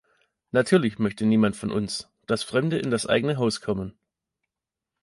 Natürlich möchte niemand von uns, dass Fremde in das eigene Haus kommen.